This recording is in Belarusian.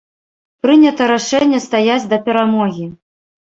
Прынята рашэнне стаяць да перамогі.